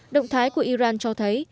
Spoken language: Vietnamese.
động thái của iran cho thấy